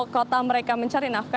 kota mereka mencari nafkah